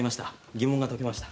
疑問が解けました。